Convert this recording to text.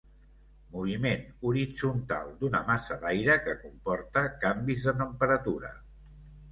Moviment horitzontal d'una massa d'aire que comporta canvis de temperatura.